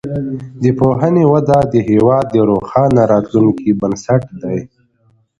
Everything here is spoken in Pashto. د پوهنې وده د هیواد د روښانه راتلونکي بنسټ دی.